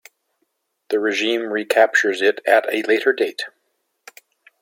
The regime recaptures it at a later date.